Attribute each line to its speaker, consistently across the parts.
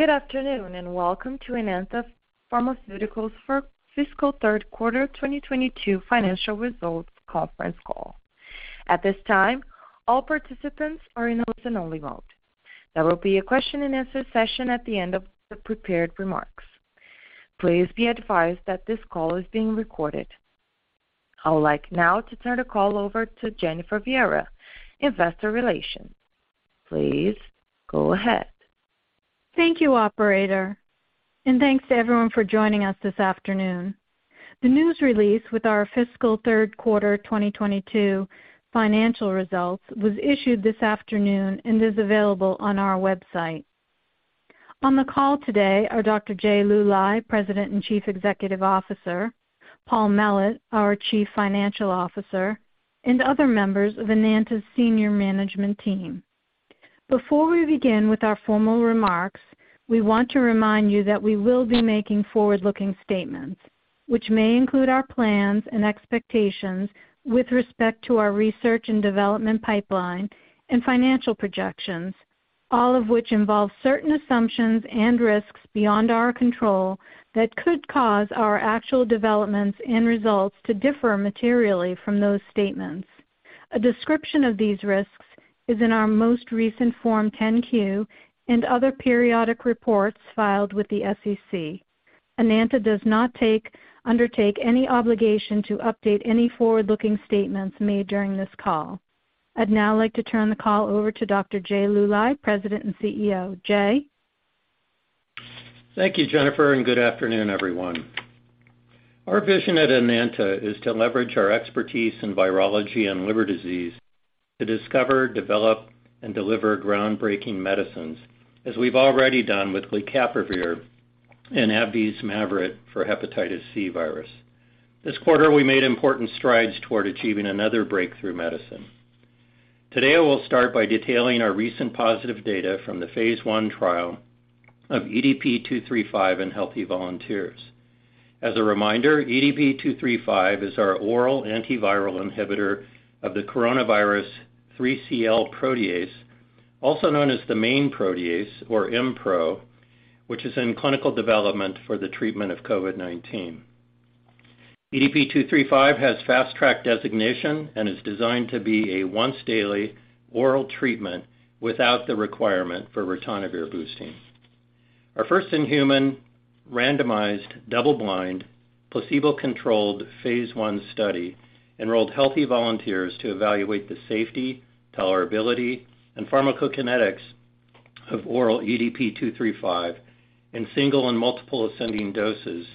Speaker 1: Good afternoon, and welcome to Enanta Pharmaceuticals for fiscal third quarter 2022 financial results conference call. At this time, all participants are in listen-only mode. There will be a question-and-answer session at the end of the prepared remarks. Please be advised that this call is being recorded. I would like now to turn the call over to Jennifer Viera, Investor Relations. Please go ahead.
Speaker 2: Thank you, operator, and thanks to everyone for joining us this afternoon. The news release with our fiscal third quarter 2022 financial results was issued this afternoon and is available on our website. On the call today are Dr. Jay Luly, President and Chief Executive Officer, Paul Mellett, our Chief Financial Officer, and other members of Enanta's senior management team. Before we begin with our formal remarks, we want to remind you that we will be making forward-looking statements, which may include our plans and expectations with respect to our research and development pipeline and financial projections, all of which involve certain assumptions and risks beyond our control that could cause our actual developments and results to differ materially from those statements. A description of these risks is in our most recent Form 10-Q and other periodic reports filed with the SEC. Enanta does not undertake any obligation to update any forward-looking statements made during this call. I'd now like to turn the call over to Dr. Jay Luly, President and CEO. Jay?
Speaker 3: Thank you, Jennifer, and good afternoon, everyone. Our vision at Enanta is to leverage our expertise in virology and liver disease to discover, develop, and deliver groundbreaking medicines, as we've already done with glecaprevir and AbbVie's MAVYRET for hepatitis C virus. This quarter, we made important strides toward achieving another breakthrough medicine. Today, I will start by detailing our recent positive data from the phase I trial of EDP-235 in healthy volunteers. As a reminder, EDP-235 is our oral antiviral inhibitor of the coronavirus 3CL protease, also known as the main protease or Mpro, which is in clinical development for the treatment of COVID-19. EDP-235 has Fast Track designation and is designed to be a once-daily oral treatment without the requirement for ritonavir boosting. Our first-in-human randomized double-blind, placebo-controlled phase I study enrolled healthy volunteers to evaluate the safety, tolerability, and pharmacokinetics of oral EDP-235 in single and multiple ascending doses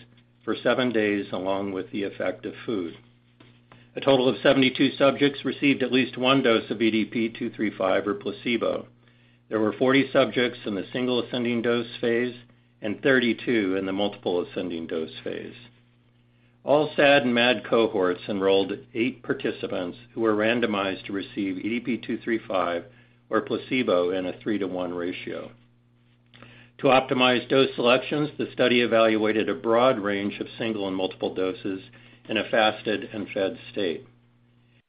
Speaker 3: for seven days, along with the effect of food. A total of 72 subjects received at least one dose of EDP-235 or placebo. There were 40 subjects in the single ascending dose phase and 32 in the multiple ascending dose phase. All SAD and MAD cohorts enrolled eight participants who were randomized to receive EDP-235 or placebo in a 3:1 ratio. To optimize dose selections, the study evaluated a broad range of single and multiple doses in a fasted and fed state.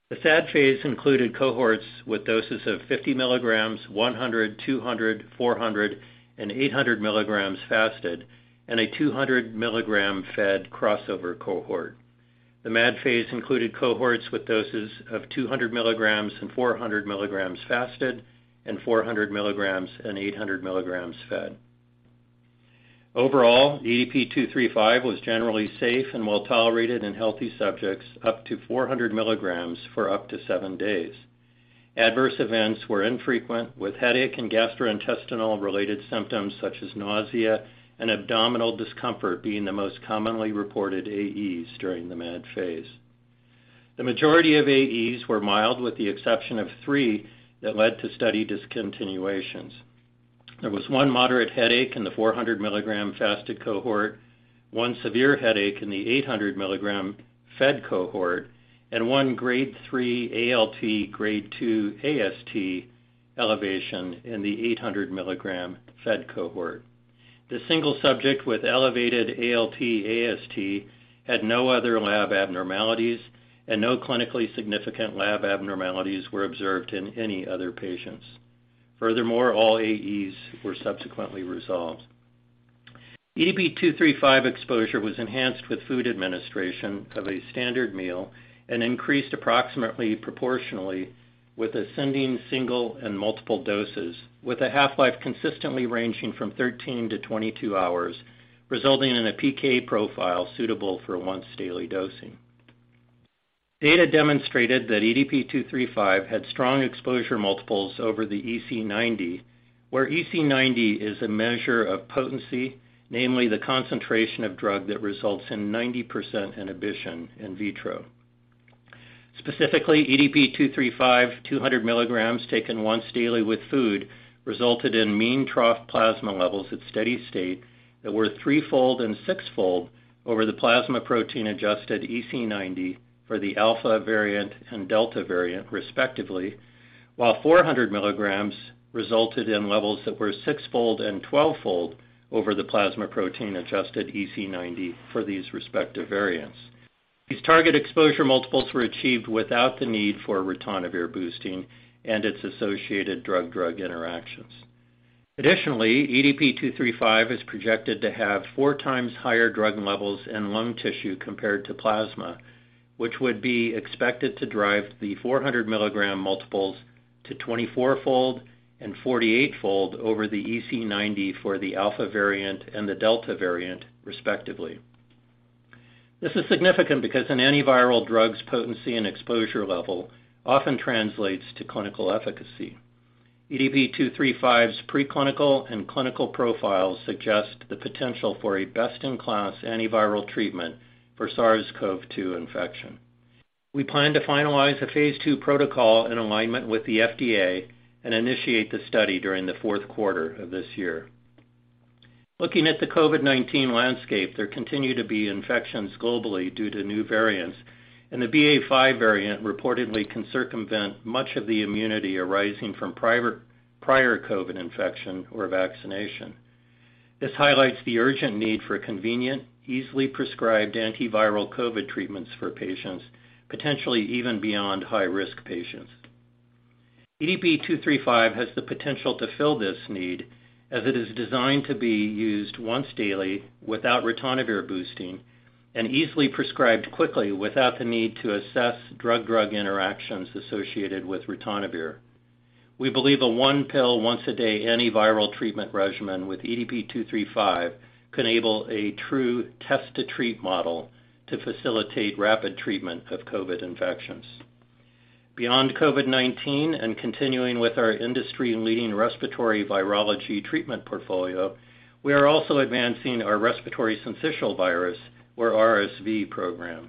Speaker 3: The SAD phase included cohorts with doses of 50 milligrams, 100, 200, 400, and 800 milligrams fasted, and a 200-milligram fed crossover cohort. The MAD phase included cohorts with doses of 200 milligrams and 400 milligrams fasted and 400 milligrams and 800 milligrams fed. Overall, EDP-235 was generally safe and well-tolerated in healthy subjects up to 400 milligrams for up to seven days. Adverse events were infrequent, with headache and gastrointestinal-related symptoms such as nausea and abdominal discomfort being the most commonly reported AEs during the MAD phase. The majority of AEs were mild, with the exception of three that led to study discontinuations. There was one moderate headache in the 400 milligram fasted cohort, one severe headache in the 800 milligram fed cohort, and one Grade 3 ALT, Grade 2 AST elevation in the 800 milligram fed cohort. The single subject with elevated ALT/AST had no other lab abnormalities, and no clinically significant lab abnormalities were observed in any other patients. Furthermore, all AEs were subsequently resolved. EDP-235 exposure was enhanced with food administration of a standard meal and increased approximately proportionally with ascending single and multiple doses, with a half-life consistently ranging from 13-22 hours, resulting in a PK profile suitable for once-daily dosing. Data demonstrated that EDP-235 had strong exposure multiples over the EC90, where EC90 is a measure of potency, namely the concentration of drug that results in 90% inhibition in vitro. Specifically, EDP-235, 200 milligrams taken once daily with food, resulted in mean trough plasma levels at steady state that were 3-fold and 6-fold over the plasma protein-adjusted EC90 for the Alpha variant and Delta variant, respectively, while 400 milligrams resulted in levels that were 6-fold and 12-fold over the plasma protein-adjusted EC90 for these respective variants. These target exposure multiples were achieved without the need for ritonavir boosting and its associated drug-drug interactions. Additionally, EDP-235 is projected to have 4x higher drug levels in lung tissue compared to plasma, which would be expected to drive the 400 milligram multiples to 24-fold and 48-fold over the EC90 for the Alpha variant and the Delta variant, respectively. This is significant because an antiviral drug's potency and exposure level often translates to clinical efficacy. EDP-235's preclinical and clinical profiles suggest the potential for a best-in-class antiviral treatment for SARS-CoV-2 infection. We plan to finalize a phase II protocol in alignment with the FDA and initiate the study during the fourth quarter of this year. Looking at the COVID-19 landscape, there continue to be infections globally due to new variants, and the BA.5 variant reportedly can circumvent much of the immunity arising from prior COVID infection or vaccination. This highlights the urgent need for convenient, easily prescribed antiviral COVID treatments for patients, potentially even beyond high-risk patients. EDP-235 has the potential to fill this need, as it is designed to be used once daily without ritonavir boosting and easily prescribed quickly without the need to assess drug-drug interactions associated with ritonavir. We believe a 1-pill once a day antiviral treatment regimen with EDP-235 can enable a true test to treat model to facilitate rapid treatment of COVID infections. Beyond COVID-19 and continuing with our industry-leading respiratory virology treatment portfolio, we are also advancing our respiratory syncytial virus, or RSV, program.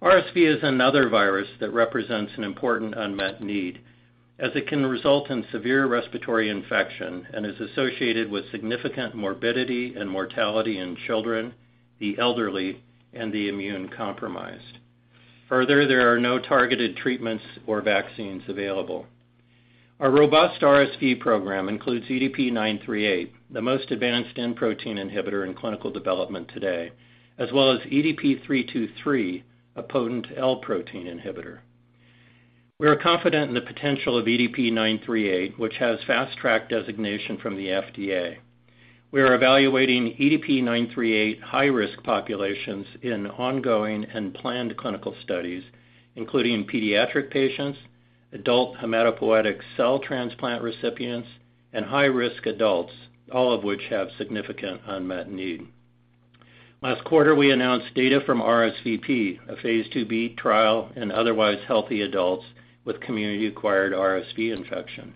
Speaker 3: RSV is another virus that represents an important unmet need, as it can result in severe respiratory infection and is associated with significant morbidity and mortality in children, the elderly, and the immune compromised. Further, there are no targeted treatments or vaccines available. Our robust RSV program includes EDP-938, the most advanced N-protein inhibitor in clinical development today, as well as EDP-323, a potent L-protein inhibitor. We are confident in the potential of EDP-938, which has Fast Track designation from the FDA. We are evaluating EDP-938 high-risk populations in ongoing and planned clinical studies, including pediatric patients, adult hematopoietic cell transplant recipients, and high-risk adults, all of which have significant unmet need. Last quarter, we announced data from RSVP, a phase II-B trial in otherwise healthy adults with community-acquired RSV infection.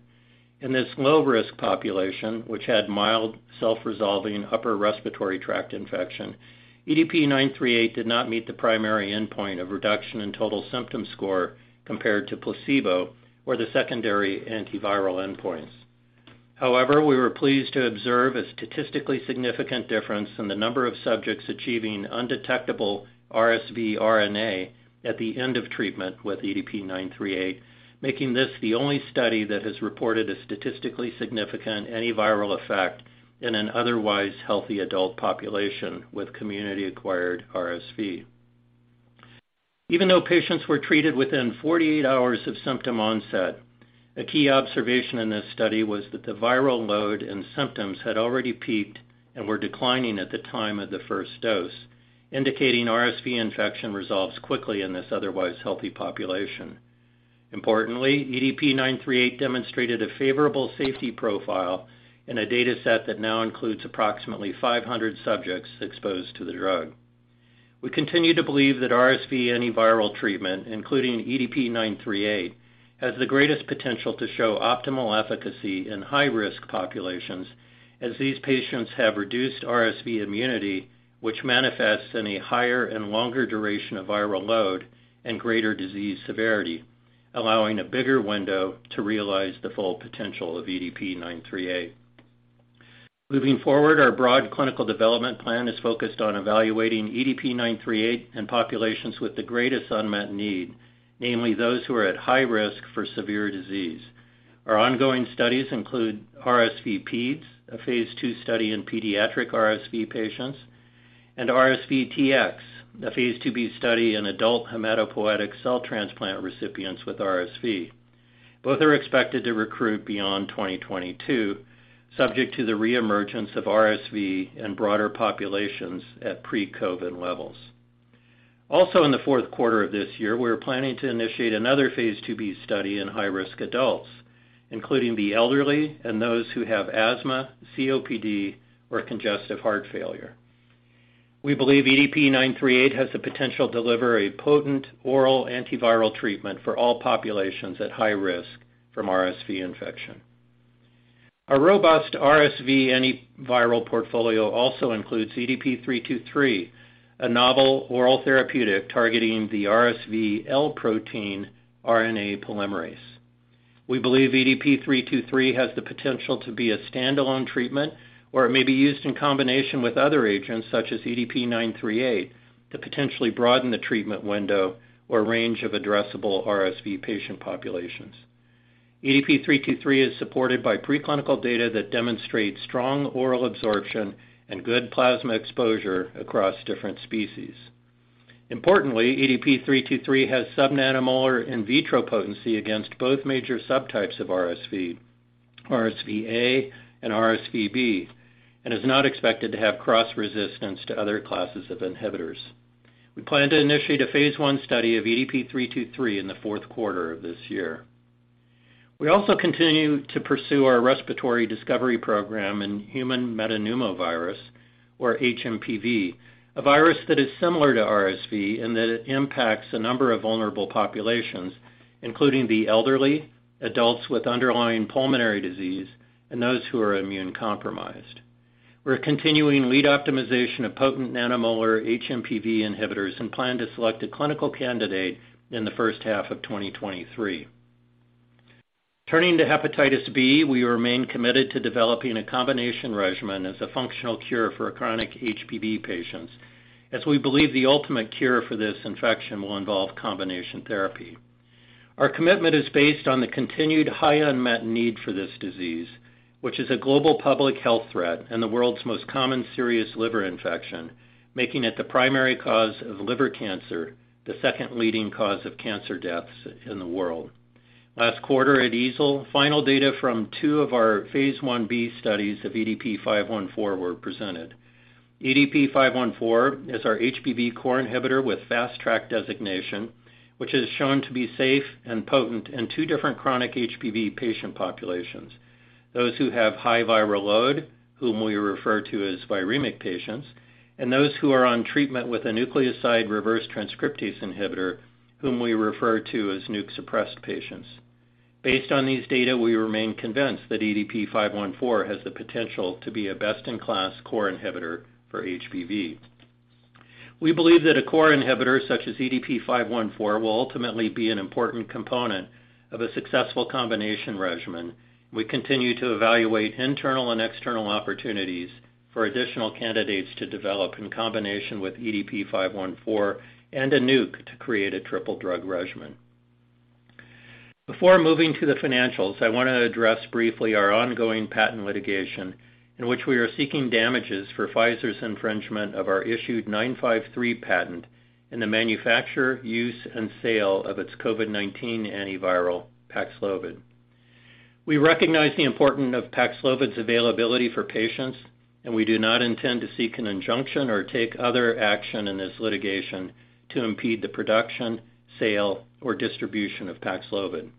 Speaker 3: In this low-risk population, which had mild self-resolving upper respiratory tract infection, EDP-938 did not meet the primary endpoint of reduction in total symptom score compared to placebo or the secondary antiviral endpoints. However, we were pleased to observe a statistically significant difference in the number of subjects achieving undetectable RSV RNA at the end of treatment with EDP-938, making this the only study that has reported a statistically significant antiviral effect in an otherwise healthy adult population with community-acquired RSV. Even though patients were treated within 48 hours of symptom onset, a key observation in this study was that the viral load and symptoms had already peaked and were declining at the time of the first dose, indicating RSV infection resolves quickly in this otherwise healthy population. Importantly, EDP-938 demonstrated a favorable safety profile in a data set that now includes approximately 500 subjects exposed to the drug. We continue to believe that RSV antiviral treatment, including EDP-938, has the greatest potential to show optimal efficacy in high-risk populations, as these patients have reduced RSV immunity, which manifests in a higher and longer duration of viral load and greater disease severity, allowing a bigger window to realize the full potential of EDP-938. Moving forward, our broad clinical development plan is focused on evaluating EDP-938 in populations with the greatest unmet need, namely those who are at high risk for severe disease. Our ongoing studies include RSV-Peds, a phase II study in pediatric RSV patients, and RSV-TX, a phase II-B study in adult hematopoietic cell transplant recipients with RSV. Both are expected to recruit beyond 2022, subject to the reemergence of RSV in broader populations at pre-COVID levels. Also in the fourth quarter of this year, we are planning to initiate another phase II-B study in high-risk adults, including the elderly and those who have asthma, COPD, or congestive heart failure. We believe EDP-938 has the potential to deliver a potent oral antiviral treatment for all populations at high risk from RSV infection. Our robust RSV antiviral portfolio also includes EDP-323, a novel oral therapeutic targeting the RSV L-protein RNA polymerase. We believe EDP-323 has the potential to be a stand-alone treatment, or it may be used in combination with other agents, such as EDP-938, to potentially broaden the treatment window or range of addressable RSV patient populations. EDP-323 is supported by preclinical data that demonstrates strong oral absorption and good plasma exposure across different species. Importantly, EDP-323 has sub-nanomolar in vitro potency against both major subtypes of RSV-A and RSV-B, and is not expected to have cross-resistance to other classes of inhibitors. We plan to initiate a phase I study of EDP-323 in the fourth quarter of this year. We also continue to pursue our respiratory discovery program in human metapneumovirus, or hMPV, a virus that is similar to RSV in that it impacts a number of vulnerable populations, including the elderly, adults with underlying pulmonary disease, and those who are immune-compromised. We're continuing lead optimization of potent nanomolar hMPV inhibitors and plan to select a clinical candidate in the first half of 2023. Turning to hepatitis B, we remain committed to developing a combination regimen as a functional cure for chronic HBV patients, as we believe the ultimate cure for this infection will involve combination therapy. Our commitment is based on the continued high unmet need for this disease, which is a global public health threat and the world's most common serious liver infection, making it the primary cause of liver cancer, the second leading cause of cancer deaths in the world. Last quarter at EASL, final data from two of our phase I-B studies of EDP-514 were presented. EDP-514 is our HBV core inhibitor with Fast Track designation, which has shown to be safe and potent in two different chronic HBV patient populations, those who have high viral load, whom we refer to as viremic patients, and those who are on treatment with a nucleoside reverse transcriptase inhibitor, whom we refer to as NUC-suppressed patients. Based on these data, we remain convinced that EDP-514 has the potential to be a best-in-class core inhibitor for HBV. We believe that a core inhibitor such as EDP-514 will ultimately be an important component of a successful combination regimen. We continue to evaluate internal and external opportunities for additional candidates to develop in combination with EDP-514 and a NUC to create a triple drug regimen. Before moving to the financials, I want to address briefly our ongoing patent litigation in which we are seeking damages for Pfizer's infringement of our issued 953 patent in the manufacture, use, and sale of its COVID-19 antiviral Paxlovid. We recognize the importance of Paxlovid's availability for patients, and we do not intend to seek an injunction or take other action in this litigation to impede the production, sale, or distribution of Paxlovid.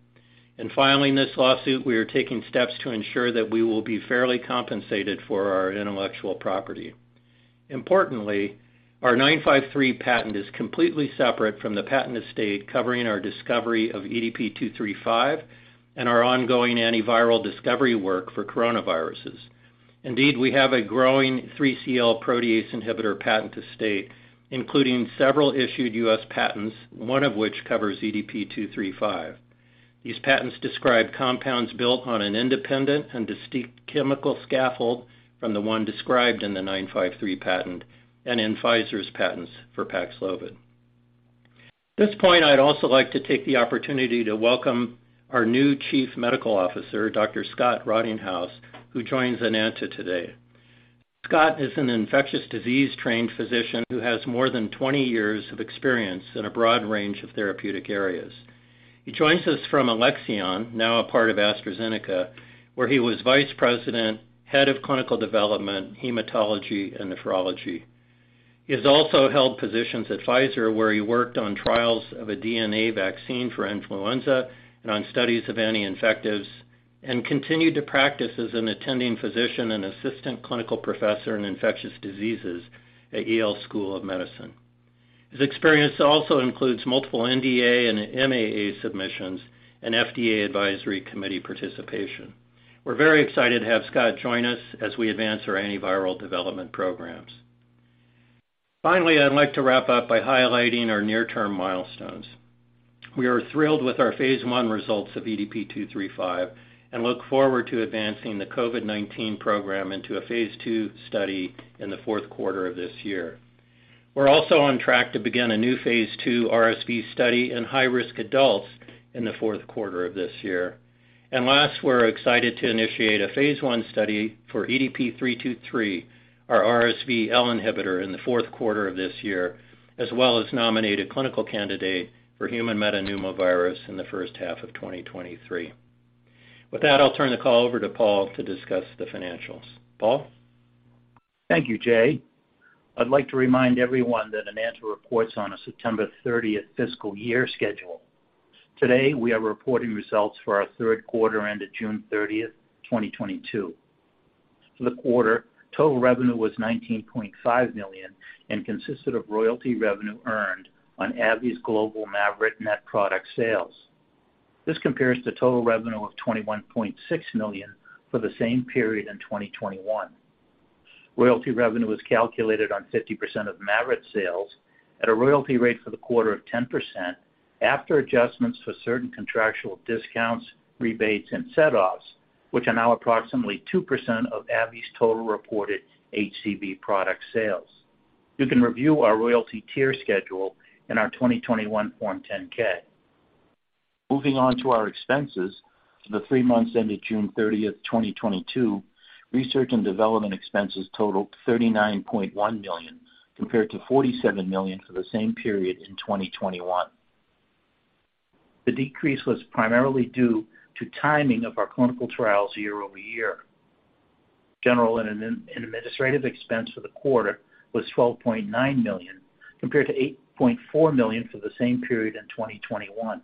Speaker 3: In filing this lawsuit, we are taking steps to ensure that we will be fairly compensated for our intellectual property. Importantly, our 953 patent is completely separate from the patent estate covering our discovery of EDP-235 and our ongoing antiviral discovery work for coronaviruses. Indeed, we have a growing 3CL protease inhibitor patent estate, including several issued U.S. patents, one of which covers EDP-235. These patents describe compounds built on an independent and distinct chemical scaffold from the one described in the 953 patent and in Pfizer's patents for Paxlovid. At this point, I'd also like to take the opportunity to welcome our new Chief Medical Officer, Dr. Scott T. Rottinghaus, who joins Enanta today. Scott is an infectious disease-trained physician who has more than 20 years of experience in a broad range of therapeutic areas. He joins us from Alexion, now a part of AstraZeneca, where he was Vice President, Head of Clinical Development, Hematology and Nephrology. He has also held positions at Pfizer, where he worked on trials of a DNA vaccine for influenza and on studies of anti-infectives, and continued to practice as an attending physician and Assistant Clinical Professor in Infectious Diseases at Yale School of Medicine. His experience also includes multiple NDA and MAA submissions and FDA advisory committee participation. We're very excited to have Scott join us as we advance our antiviral development programs. Finally, I'd like to wrap up by highlighting our near-term milestones. We are thrilled with our phase I results of EDP-235 and look forward to advancing the COVID-19 program into a phase II study in the fourth quarter of this year. We're also on track to begin a new phase II RSV study in high-risk adults in the fourth quarter of this year. Last, we're excited to initiate a phase I study for EDP-323, our RSV L inhibitor, in the fourth quarter of this year, as well as nominate a clinical candidate for human metapneumovirus in the first half of 2023. With that, I'll turn the call over to Paul to discuss the financials. Paul?
Speaker 4: Thank you, Jay. I'd like to remind everyone that Enanta reports on a September 30th fiscal year schedule. Today, we are reporting results for our third quarter ended June 30th, 2022. For the quarter, total revenue was $19.5 million and consisted of royalty revenue earned on AbbVie's global MAVYRET net product sales. This compares to total revenue of $21.6 million for the same period in 2021. Royalty revenue was calculated on 50% of MAVYRET sales at a royalty rate for the quarter of 10% after adjustments for certain contractual discounts, rebates, and set-offs, which are now approximately 2% of AbbVie's total reported HCV product sales. You can review our royalty tier schedule in our 2021 Form 10-K. Moving on to our expenses for the three months ended June 30th, 2022, research and development expenses totaled $39.1 million compared to $47 million for the same period in 2021. The decrease was primarily due to timing of our clinical trials year-over-year. General and administrative expense for the quarter was $12.9 million compared to $8.4 million for the same period in 2021.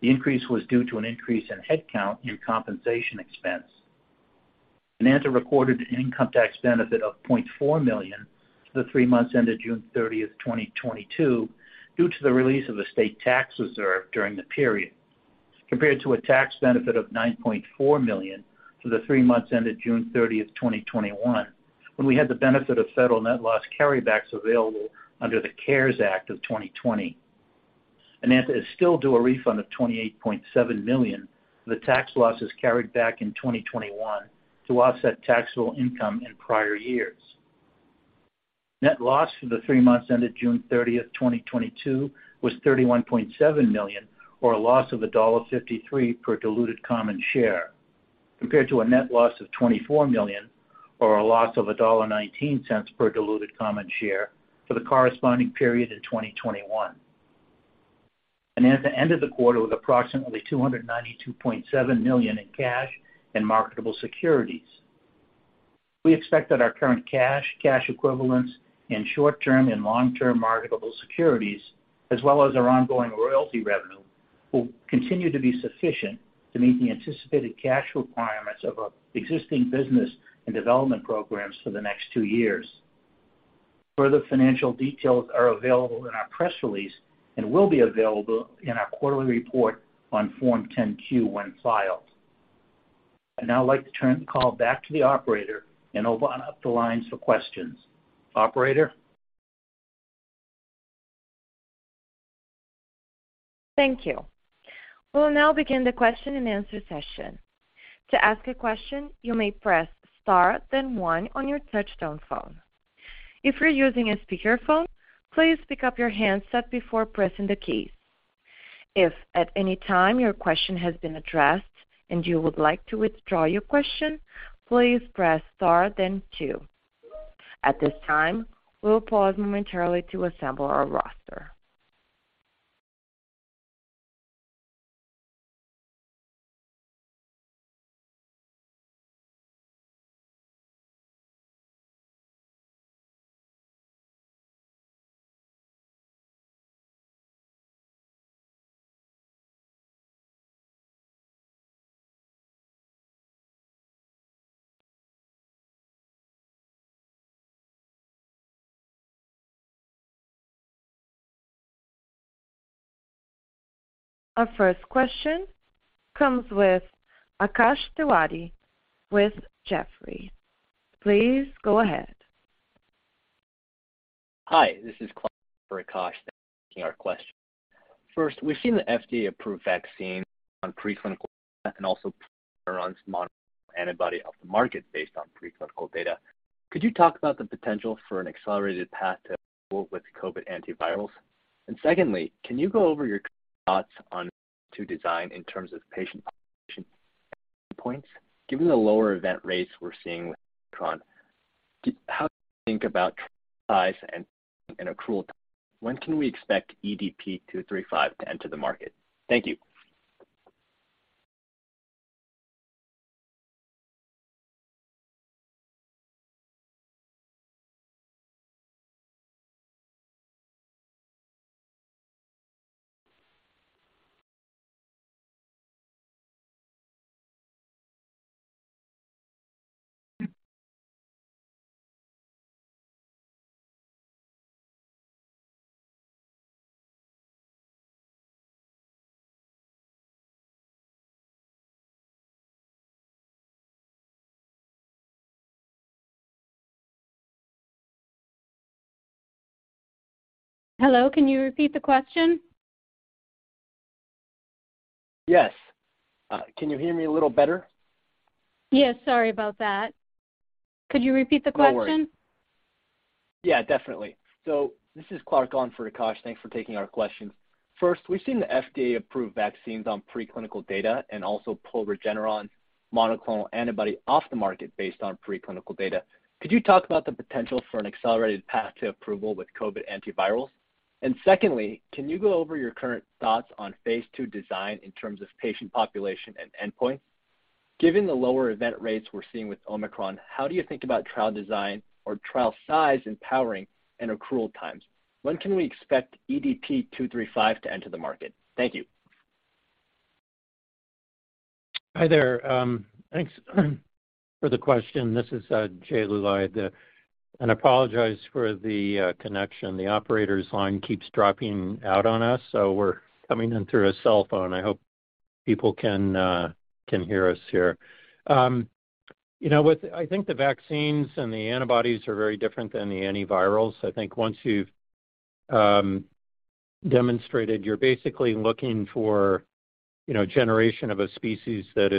Speaker 4: The increase was due to an increase in headcount and compensation expense. Enanta recorded an income tax benefit of $0.4 million for the three months ended June 30th, 2022 due to the release of a state tax reserve during the period, compared to a tax benefit of $9.4 million for the three months ended June 30th, 2021, when we had the benefit of federal net loss carrybacks available under the CARES Act of 2020. Enanta is still due a refund of $28.7 million for the tax losses carried back in 2021 to offset taxable income in prior years. Net loss for the three months ended June 30th, 2022 was $31.7 million or a loss of $1.53 per diluted common share, compared to a net loss of $24 million or a loss of $1.19 per diluted common share for the corresponding period in 2021. Enanta ended the quarter with approximately $292.7 million in cash and marketable securities. We expect that our current cash equivalents, and short-term and long-term marketable securities, as well as our ongoing royalty revenue, will continue to be sufficient to meet the anticipated cash requirements of our existing business and development programs for the next two years. Further financial details are available in our press release and will be available in our quarterly report on Form 10-Q when filed. I'd now like to turn the call back to the operator and open up the lines for questions. Operator?
Speaker 1: Thank you. We'll now begin the question-and-answer session. To ask a question, you may press star then one on your touchtone phone. If you're using a speakerphone, please pick up your handset before pressing the keys. If at any time your question has been addressed and you would like to withdraw your question, please press star then two. At this time, we'll pause momentarily to assemble our roster. Our first question comes with Akash Tewari with Jefferies. Please go ahead.
Speaker 5: Hi, this is Clark for Akash. Thanks for taking our question. First, we've seen the FDA approve vaccines on preclinical data and also pull Regeneron's monoclonal antibody off the market based on preclinical data. Could you talk about the potential for an accelerated path to approval with COVID antivirals? Secondly, can you go over your thoughts on phase II design in terms of patient population and endpoints? Given the lower event rates we're seeing with Omicron, how do you think about trial size and powering and accrual times? When can we expect EDP-235 to enter the market? Thank you.
Speaker 1: Hello, can you repeat the question?
Speaker 5: Yes. Can you hear me a little better?
Speaker 1: Yes, sorry about that. Could you repeat the question?
Speaker 5: No worries. Yeah, definitely. This is Clark on for Akash. Thanks for taking our questions. First, we've seen the FDA approve vaccines on preclinical data and also pull Regeneron monoclonal antibody off the market based on preclinical data. Could you talk about the potential for an accelerated path to approval with COVID antivirals? And secondly, can you go over your current thoughts on phase II design in terms of patient population and endpoints? Given the lower event rates we're seeing with Omicron, how do you think about trial design or trial size and powering and accrual times? When can we expect EDP-235 to enter the market? Thank you.
Speaker 3: Hi there. Thanks for the question. This is Jay Luly. I apologize for the connection. The operator's line keeps dropping out on us, so we're coming in through a cell phone. I hope people can hear us here. You know, I think the vaccines and the antibodies are very different than the antivirals. I think once you've demonstrated you're basically looking for, you know, generation of a species that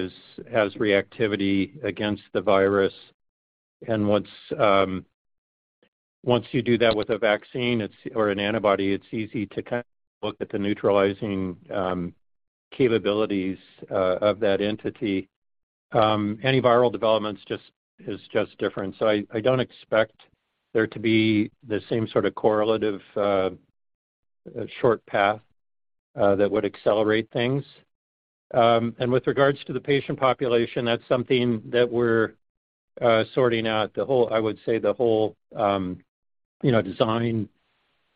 Speaker 3: has reactivity against the virus. Once you do that with a vaccine or an antibody, it's easy to look at the neutralizing capabilities of that entity. Antiviral developments is just different. I don't expect there to be the same sort of correlative short path that would accelerate things. With regards to the patient population, that's something that we're sorting out. I would say the whole you know design,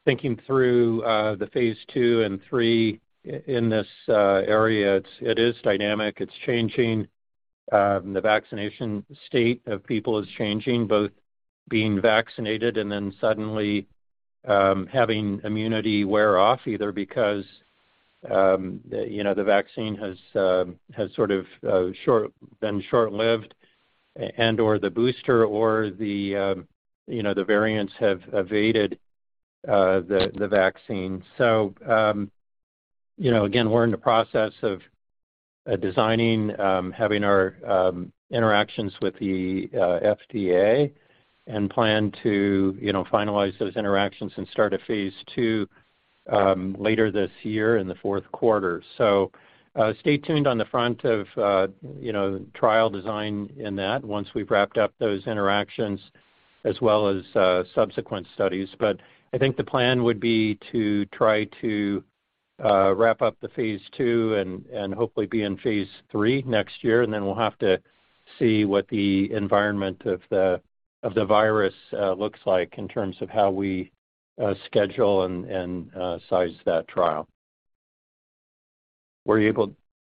Speaker 3: thinking through the phase II and III in this area, it is dynamic, it's changing. The vaccination state of people is changing, both being vaccinated and then suddenly having immunity wear off, either because the you know the vaccine has sort of been short-lived and/or the booster or the you know the variants have evaded the vaccine. You know, again, we're in the process of designing having our interactions with the FDA and plan to finalize those interactions and start a phase II later this year in the fourth quarter. Stay tuned on the front of, you know, trial design in that once we've wrapped up those interactions as well as, subsequent studies. I think the plan would be to try to wrap up the phase II and hopefully be in phase III next year. We'll have to see what the environment of the virus looks like in terms of how we schedule and size that trial.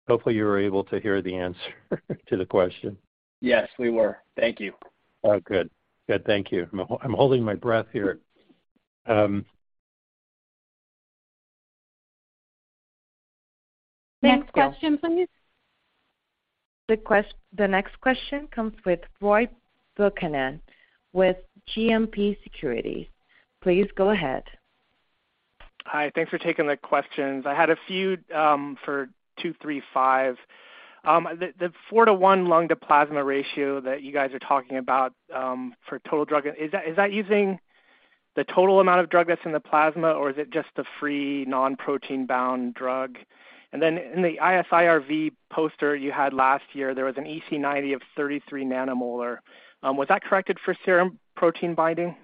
Speaker 3: Hopefully, you were able to hear the answer to the question.
Speaker 5: Yes, we were. Thank you.
Speaker 3: Oh, good. Good. Thank you. I'm holding my breath here.
Speaker 1: Next question, please. The next question comes with Roy Buchanan with JMP Securities. Please go ahead.
Speaker 6: Hi. Thanks for taking the questions. I had a few for 235. The 4:1 lung-to-plasma ratio that you guys are talking about for total drug, is that using the total amount of drug that's in the plasma, or is it just the free non-protein bound drug? And then in the ISIRV poster you had last year, there was an EC90 of 33 nanomolar. Was that corrected for serum protein binding?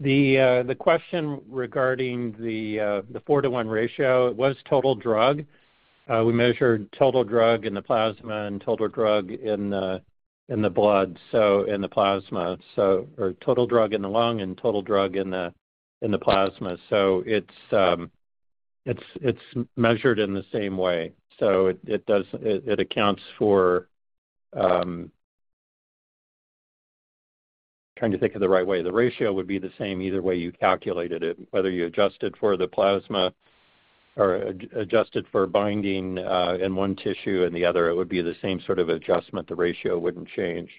Speaker 3: The question regarding the 4:1 ratio was total drug. We measured total drug in the plasma and total drug in the blood, so in the plasma. Or total drug in the lung and total drug in the plasma. It's measured in the same way. The ratio would be the same either way you calculated it. Whether you adjusted for the plasma or adjusted for binding in one tissue and the other, it would be the same sort of adjustment. The ratio wouldn't change.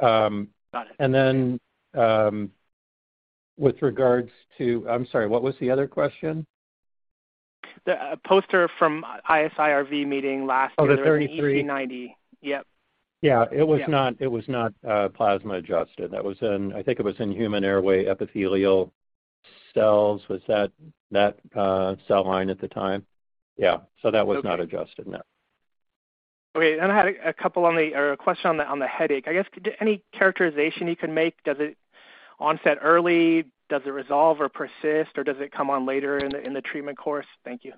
Speaker 6: Got it.
Speaker 3: I'm sorry, what was the other question?
Speaker 6: The poster from ISIRV meeting last year.
Speaker 3: Oh, the 33.
Speaker 6: With EC90. Yep.
Speaker 3: Yeah.
Speaker 6: Yeah.
Speaker 3: It was not plasma adjusted. That was in, I think it was in human airway epithelial cells. Was that cell line at the time? Yeah.
Speaker 6: Okay.
Speaker 3: That was not adjusted. No.
Speaker 6: Okay. I had a question on the headache. I guess, any characterization you can make, does it onset early? Does it resolve or persist, or does it come on later in the treatment course? Thank you.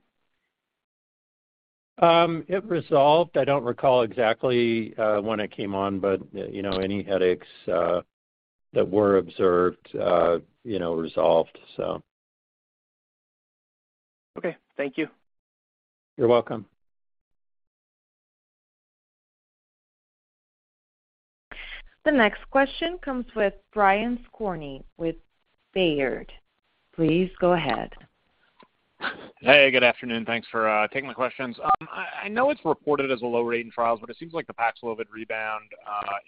Speaker 3: It resolved. I don't recall exactly when it came on, but you know, any headaches that were observed, you know, resolved so.
Speaker 6: Okay. Thank you.
Speaker 3: You're welcome.
Speaker 1: The next question comes with Brian Skorney with Baird. Please go ahead.
Speaker 7: Hey, good afternoon. Thanks for taking the questions. I know it's reported as a low rate in trials, but it seems like the Paxlovid rebound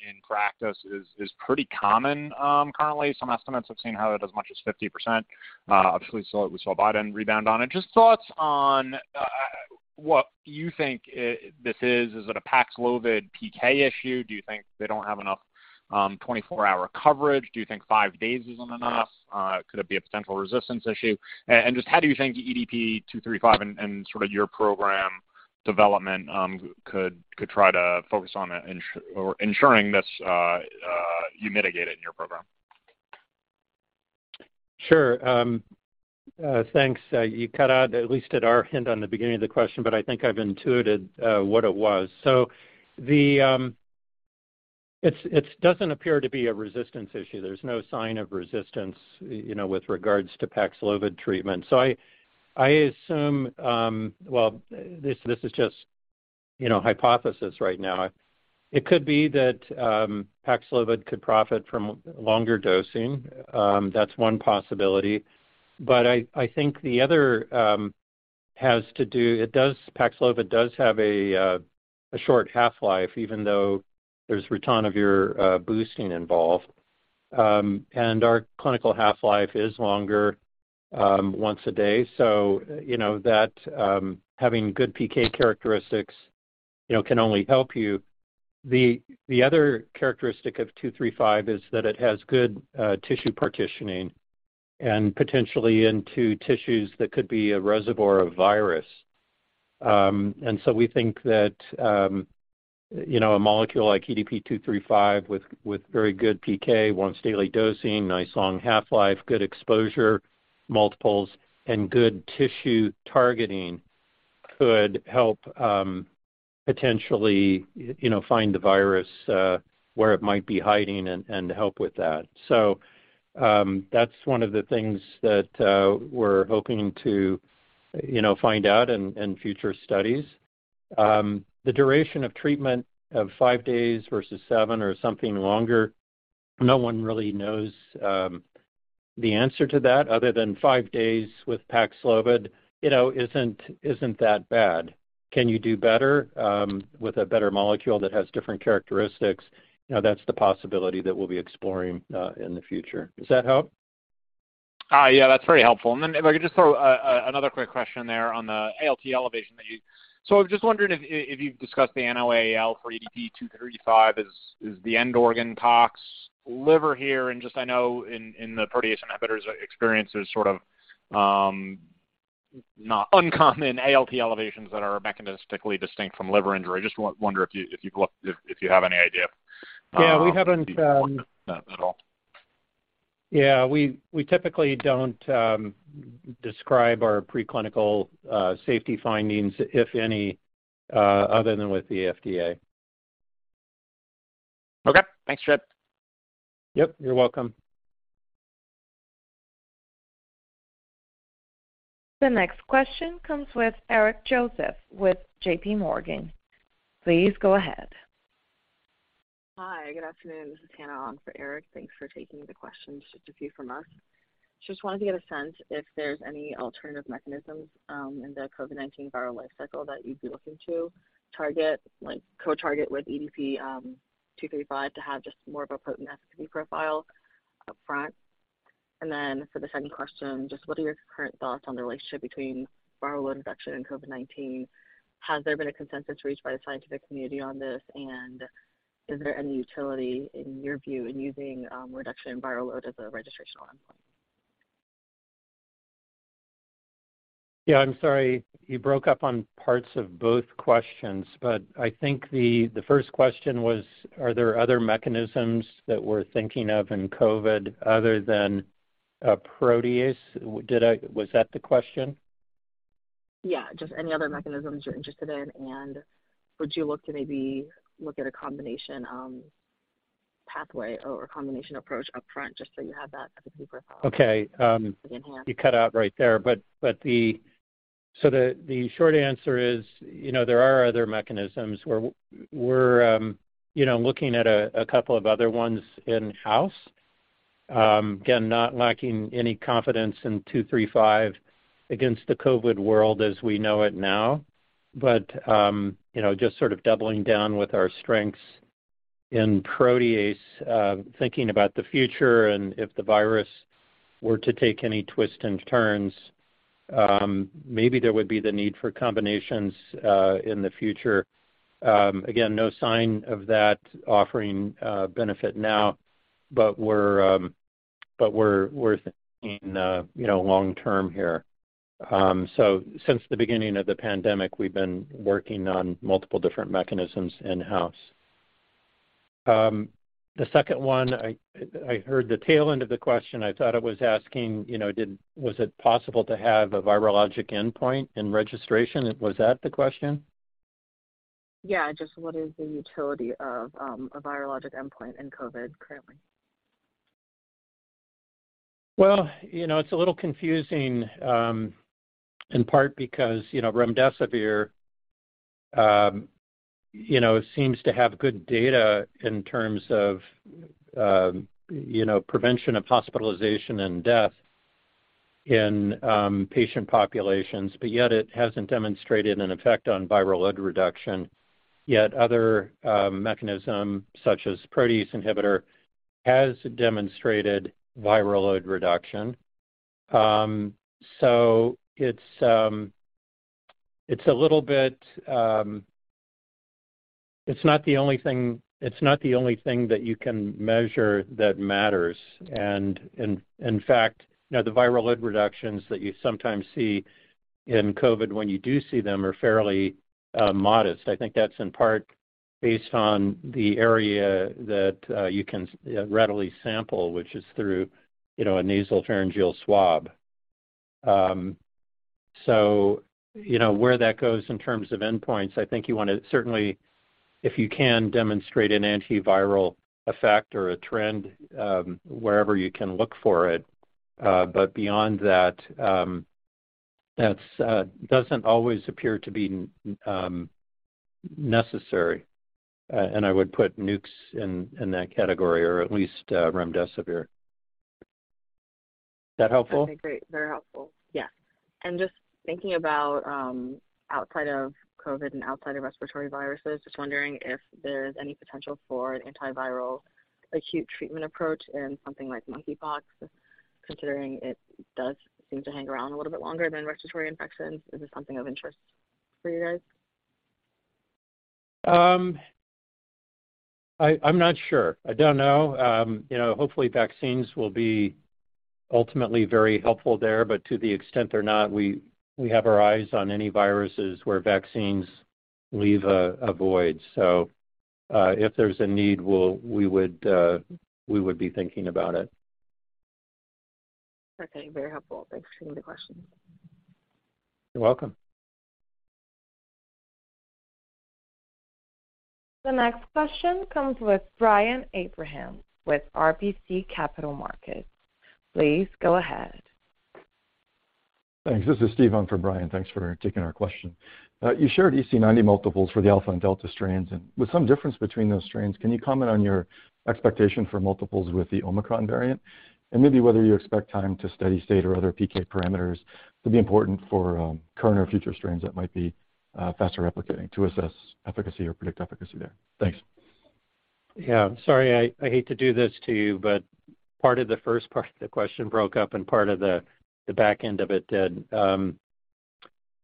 Speaker 7: in practice is pretty common currently. Some estimates I've seen have it as much as 50%. Obviously we saw [out and] rebound on it. Just thoughts on what you think this is. Is it a Paxlovid PK issue? Do you think they don't have enough 24-hour coverage? Do you think five days isn't enough? Could it be a potential resistance issue? And just how do you think EDP-235 and sort of your program development could try to focus on or ensuring this you mitigate it in your program?
Speaker 3: Sure. Thanks. You cut out at least at our end on the beginning of the question, but I think I've intuited what it was. It doesn't appear to be a resistance issue. There's no sign of resistance, you know, with regards to Paxlovid treatment. I assume, well, this is just, you know, hypothesis right now. It could be that Paxlovid could profit from longer dosing. That's one possibility. I think the other has to do. Paxlovid does have a short half-life, even though there's ritonavir boosting involved. Our clinical half-life is longer once a day, so, you know, that having good PK characteristics, you know, can only help you. The other characteristic of two-three-five is that it has good tissue partitioning and potentially into tissues that could be a reservoir of virus. We think that you know a molecule like EDP two-three-five with very good PK, once daily dosing, nice long half-life, good exposure multiples, and good tissue targeting could help potentially you know find the virus where it might be hiding and help with that. That's one of the things that we're hoping to you know find out in future studies. The duration of treatment of five days versus seven or something longer, no one really knows the answer to that other than five days with Paxlovid you know isn't that bad. Can you do better with a better molecule that has different characteristics? You know, that's the possibility that we'll be exploring in the future. Does that help?
Speaker 7: Yeah, that's very helpful. Then if I could just throw another quick question there on the ALT elevation that you mentioned. I'm just wondering if you've discussed the NOAEL for EDP-235. Is the end organ tox liver here? I know in the protease inhibitors experience, there's sort of not uncommon ALT elevations that are mechanistically distinct from liver injury. I just wonder if you, if you've looked, if you have any idea.
Speaker 3: Yeah. We haven't.
Speaker 7: at all.
Speaker 3: Yeah. We typically don't describe our preclinical safety findings, if any, other than with the FDA.
Speaker 7: Okay. Thanks, Jay.
Speaker 3: Yep, you're welcome.
Speaker 1: The next question comes with Eric Joseph with J.P. Morgan. Please go ahead.
Speaker 8: Hi, good afternoon. This is Hannah on for Eric Joseph. Thanks for taking the questions. Just a few from us. Just wanted to get a sense if there's any alternative mechanisms in the COVID-19 viral life cycle that you'd be looking to target, like co-target with EDP-235 to have just more of a potent activity profile upfront. Then for the second question, just what are your current thoughts on the relationship between viral load reduction and COVID-19? Has there been a consensus reached by the scientific community on this? Is there any utility, in your view, in using reduction in viral load as a registrational endpoint?
Speaker 3: Yeah, I'm sorry. You broke up on parts of both questions, but I think the first question was, are there other mechanisms that we're thinking of in COVID other than protease? Was that the question?
Speaker 8: Yeah, just any other mechanisms you're interested in, and would you look to maybe look at a combination pathway or combination approach upfront, just so you have that activity profile?
Speaker 3: Okay.
Speaker 8: in hand.
Speaker 3: You cut out right there, but the short answer is, you know, there are other mechanisms where we're looking at a couple of other ones in-house. Again, not lacking any confidence in two-three-five against the COVID world as we know it now, but you know, just sort of doubling down with our strengths in protease, thinking about the future and if the virus were to take any twists and turns, maybe there would be the need for combinations in the future. Again, no sign of that offering benefit now, but we're thinking you know, long term here. Since the beginning of the pandemic, we've been working on multiple different mechanisms in-house. The second one, I heard the tail end of the question. I thought it was asking, you know, was it possible to have a virologic endpoint in registration? Was that the question?
Speaker 8: Yeah. Just what is the utility of a virologic endpoint in COVID currently?
Speaker 3: Well, you know, it's a little confusing, in part because, you know, remdesivir, you know, seems to have good data in terms of, you know, prevention of hospitalization and death in patient populations. Yet it hasn't demonstrated an effect on viral load reduction. Yet other mechanism such as protease inhibitor has demonstrated viral load reduction. It's not the only thing that you can measure that matters. In fact, you know, the viral load reductions that you sometimes see in COVID when you do see them are fairly modest. I think that's in part based on the area that you can readily sample, which is through, you know, a nasopharyngeal swab. You know, where that goes in terms of endpoints, I think you wanna certainly, if you can, demonstrate an antiviral effect or a trend, wherever you can look for it. Beyond that doesn't always appear to be necessary. I would put Nukes in that category or at least remdesivir. Is that helpful?
Speaker 8: Okay, great. Very helpful. Yeah. Just thinking about outside of COVID and outside of respiratory viruses, just wondering if there's any potential for an antiviral acute treatment approach in something like monkeypox, considering it does seem to hang around a little bit longer than respiratory infections. Is this something of interest for you guys?
Speaker 3: I'm not sure. I don't know. You know, hopefully vaccines will be ultimately very helpful there, but to the extent they're not, we have our eyes on any viruses where vaccines leave a void. If there's a need, we would be thinking about it.
Speaker 8: Okay. Very helpful. Thanks for taking the question.
Speaker 3: You're welcome.
Speaker 1: The next question comes with Brian Abrahams with RBC Capital Markets. Please go ahead.
Speaker 9: Thanks. This is Steve on for Brian. Thanks for taking our question. You shared EC90 multiples for the Alpha and Delta strains, and with some difference between those strains, can you comment on your expectation for multiples with the Omicron variant? And maybe whether you expect time to steady state or other PK parameters to be important for current or future strains that might be faster replicating to assess efficacy or predict efficacy there? Thanks.
Speaker 3: Yeah. Sorry, I hate to do this to you, but part of the first part of the question broke up and part of the back end of it did.
Speaker 9: No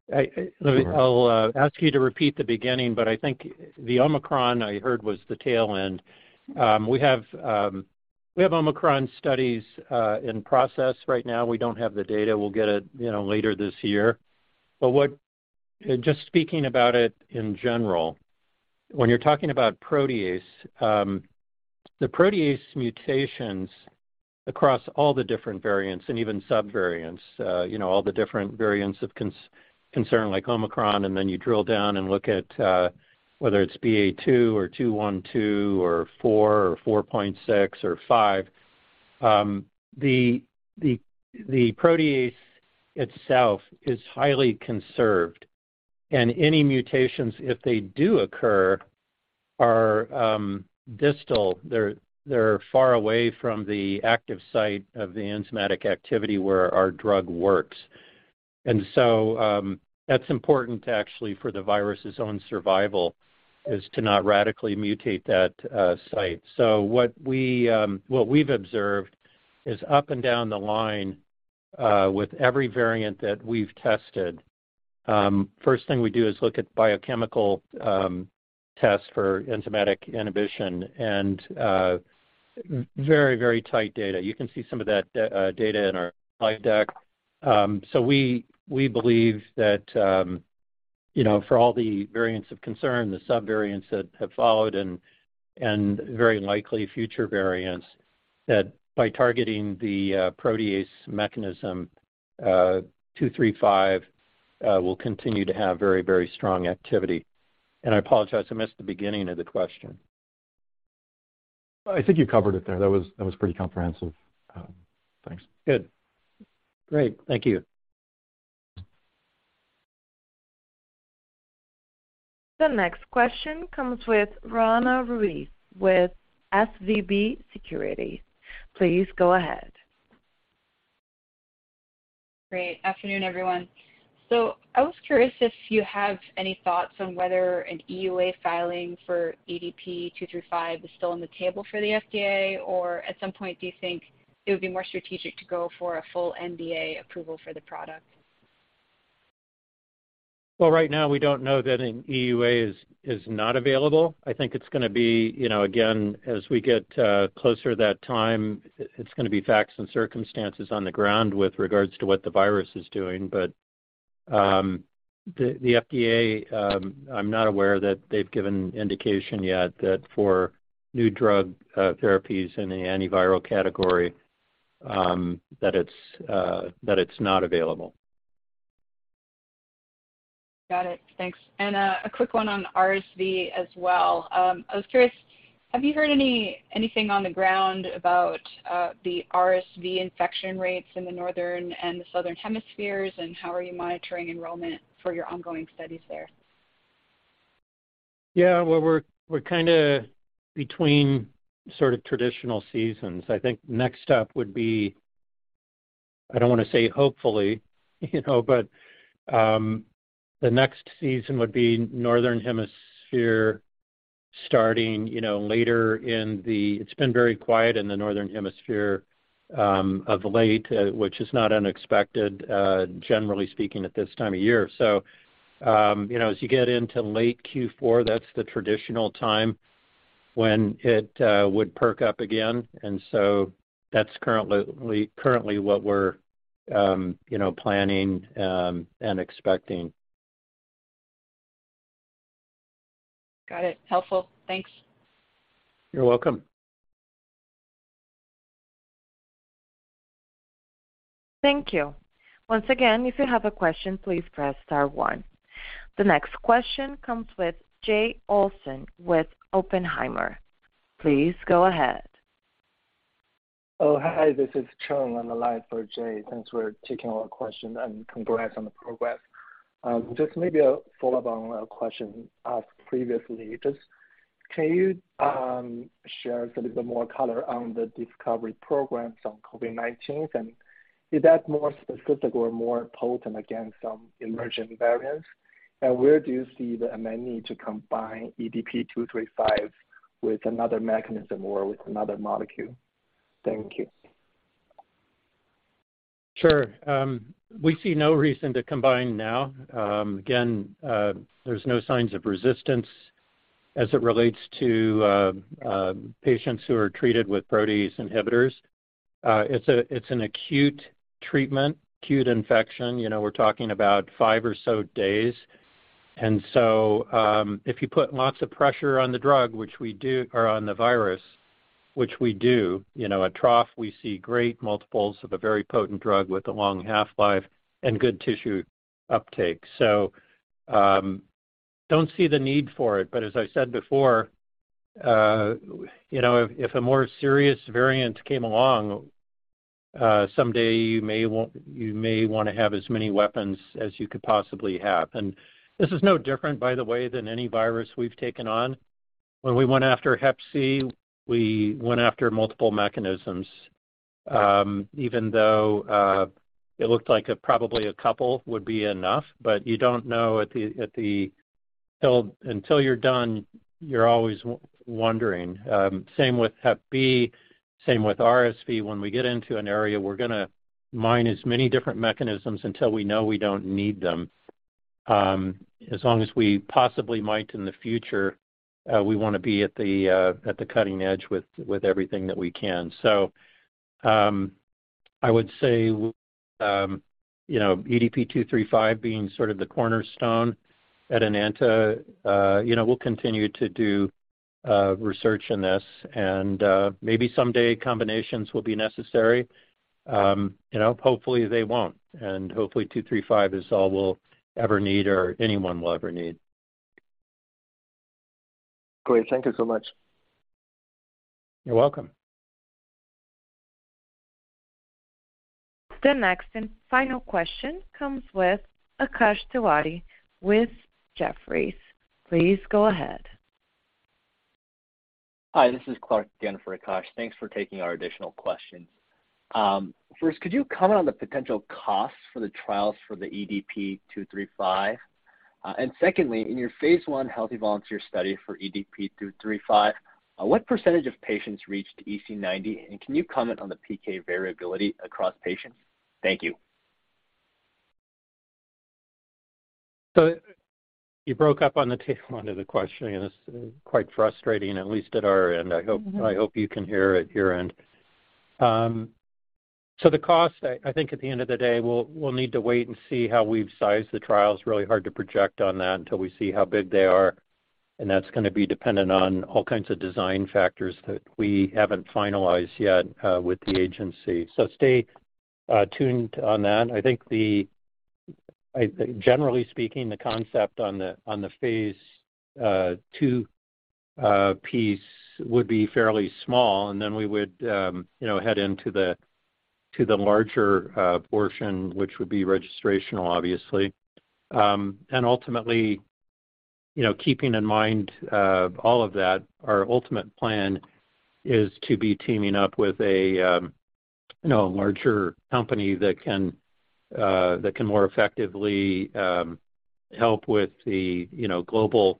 Speaker 9: worries.
Speaker 3: I'll ask you to repeat the beginning, but I think the Omicron I heard was the tail end. We have Omicron studies in process right now. We don't have the data. We'll get it, you know, later this year. Just speaking about it in general, when you're talking about protease, the protease mutations across all the different variants and even subvariants, you know, all the different variants of concern like Omicron, and then you drill down and look at whether it's BA.2 or 212 or 4 or 4.6 or 5, the protease itself is highly conserved. Any mutations, if they do occur, are distal. They're far away from the active site of the enzymatic activity where our drug works. That's important actually for the virus's own survival, is to not radically mutate that site. What we've observed is up and down the line with every variant that we've tested, first thing we do is look at biochemical tests for enzymatic inhibition and very, very tight data. You can see some of that data in our slide deck. We believe that, you know, for all the variants of concern, the sub-variants that have followed and very likely future variants, that by targeting the protease mechanism, EDP-235 will continue to have very, very strong activity. I apologize, I missed the beginning of the question.
Speaker 9: I think you covered it there. That was pretty comprehensive. Thanks.
Speaker 3: Good. Great. Thank you.
Speaker 1: The next question comes with Roanna Ruiz with SVB Securities. Please go ahead.
Speaker 10: Great. Afternoon, everyone. I was curious if you have any thoughts on whether an EUA filing for EDP-235 is still on the table for the FDA, or at some point, do you think it would be more strategic to go for a full NDA approval for the product?
Speaker 3: Well, right now we don't know that an EUA is not available. I think it's gonna be, you know, again, as we get closer to that time, it's gonna be facts and circumstances on the ground with regards to what the virus is doing. The FDA, I'm not aware that they've given indication yet that for new drug therapies in the antiviral category, that it's not available.
Speaker 10: Got it. Thanks. A quick one on RSV as well. I was curious, have you heard anything on the ground about the RSV infection rates in the Northern and the Southern hemispheres, and how are you monitoring enrollment for your ongoing studies there?
Speaker 3: Yeah. Well, we're kinda between sort of traditional seasons. I think next up would be. I don't wanna say hopefully, you know, but the next season would be Northern Hemisphere starting, you know, later in the. It's been very quiet in the Northern Hemisphere of late, which is not unexpected, generally speaking, at this time of year. You know, as you get into late Q4, that's the traditional time when it would perk up again. That's currently what we're planning and expecting.
Speaker 10: Got it. Helpful. Thanks.
Speaker 3: You're welcome.
Speaker 1: Thank you. Once again, if you have a question, please press star one. The next question comes with Jay Olson with Oppenheimer. Please go ahead.
Speaker 11: Oh, hi. This is Cheng. I'm on the line for Jay. Thanks for taking our question and congrats on the progress. Just maybe a follow-up on a question asked previously. Just can you share a little bit more color on the discovery programs on COVID-19? Is that more specific or more potent against some emerging variants? Where do you see the amendment to combine EDP-235 with another mechanism or with another molecule? Thank you.
Speaker 3: Sure. We see no reason to combine now. Again, there's no signs of resistance as it relates to patients who are treated with protease inhibitors. It's an acute treatment, acute infection. You know, we're talking about five or so days. If you put lots of pressure on the drug, which we do, or on the virus, which we do, you know, at trough we see great multiples of a very potent drug with a long half-life and good tissue uptake. Don't see the need for it. But as I said before, you know, if a more serious variant came along someday, you may wanna have as many weapons as you could possibly have. This is no different, by the way, than any virus we've taken on. When we went after hep C, we went after multiple mechanisms, even though it looked like probably a couple would be enough, but you don't know until you're done, you're always wondering. Same with hep B, same with RSV. When we get into an area, we're gonna mine as many different mechanisms until we know we don't need them. As long as we possibly might in the future, we wanna be at the cutting edge with everything that we can. I would say, you know, EDP-235 being sort of the cornerstone at Enanta, you know, we'll continue to do research in this and, maybe someday combinations will be necessary. You know, hopefully they won't, and hopefully 235 is all we'll ever need or anyone will ever need.
Speaker 11: Great. Thank you so much.
Speaker 3: You're welcome.
Speaker 1: The next and final question comes with Akash Tewari with Jefferies. Please go ahead.
Speaker 5: Hi, this is Clark again for Akash. Thanks for taking our additional questions. First, could you comment on the potential costs for the trials for the EDP-235? And secondly, in your phase 1 healthy volunteer study for EDP-235, what percentage of patients reached EC90? And can you comment on the PK variability across patients? Thank you.
Speaker 3: You broke up on the tail end of the question. It's quite frustrating, at least at our end. I hope you can hear at your end. The cost, I think at the end of the day, we'll need to wait and see how we've sized the trials. Really hard to project on that until we see how big they are, and that's gonna be dependent on all kinds of design factors that we haven't finalized yet, with the agency. Stay tuned on that. Generally speaking, the concept on the phase two piece would be fairly small, and then we would, you know, head into the larger portion, which would be registrational, obviously. Ultimately, you know, keeping in mind all of that, our ultimate plan is to be teaming up with a, you know, larger company that can more effectively help with the, you know, global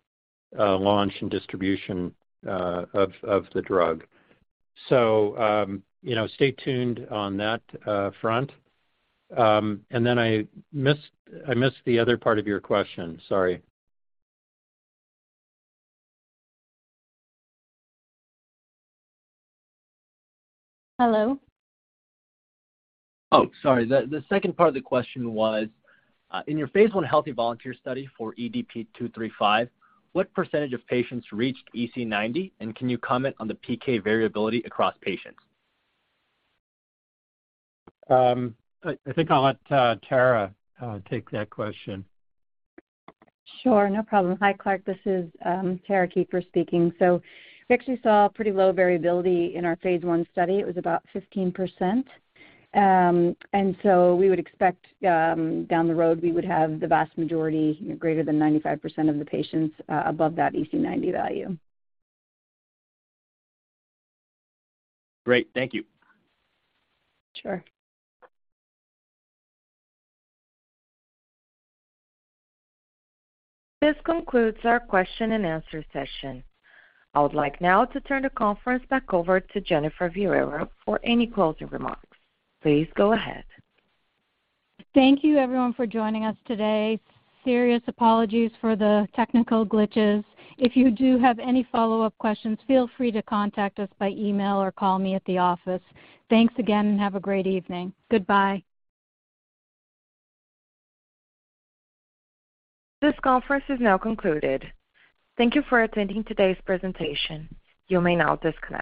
Speaker 3: launch and distribution of the drug. You know, stay tuned on that front. Then I missed the other part of your question. Sorry.
Speaker 1: Hello?
Speaker 5: Oh, sorry. The second part of the question was in your phase I healthy volunteer study for EDP-235, what percentage of patients reached EC90? And can you comment on the PK variability across patients?
Speaker 3: I think I'll let Tara take that question.
Speaker 12: Sure. No problem. Hi, Clark. This is Tara Kieffer speaking. We actually saw pretty low variability in our phase 1 study. It was about 15%. We would expect down the road, we would have the vast majority, you know, greater than 95% of the patients above that EC90 value.
Speaker 5: Great. Thank you.
Speaker 12: Sure.
Speaker 1: This concludes our question and answer session. I would like now to turn the conference back over to Jennifer Viera for any closing remarks. Please go ahead.
Speaker 2: Thank you everyone for joining us today. Serious apologies for the technical glitches. If you do have any follow-up questions, feel free to contact us by email or call me at the office. Thanks again, and have a great evening. Goodbye.
Speaker 1: This conference is now concluded. Thank you for attending today's presentation. You may now disconnect.